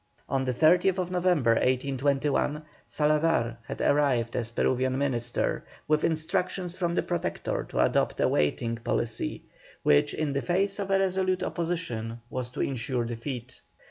On the 30th November, 1821, Salazar had arrived as Peruvian Minister, with instructions from the Protector to adopt a waiting policy, which, in the face of a resolute opposition, was to ensure defeat.